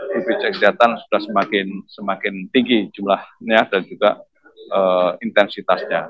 bpjs kesehatan sudah semakin tinggi jumlahnya dan juga intensitasnya